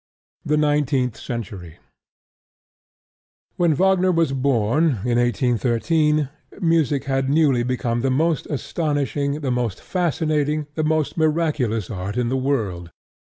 THE NINETEENTH CENTURY When Wagner was born in 1813, music had newly become the most astonishing, the most fascinating, the most miraculous art in the world.